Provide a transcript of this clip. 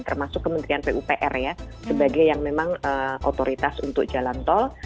termasuk kementerian pupr ya sebagai yang memang otoritas untuk jalan tol